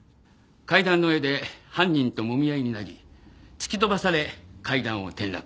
階段の上で犯人ともみ合いになり突き飛ばされ階段を転落。